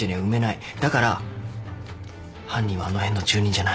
だから犯人はあの辺の住人じゃない。